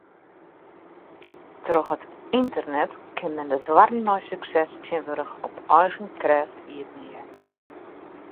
Troch it ynternet kin men de doarren nei sukses tsjintwurdich op eigen krêft iepenje.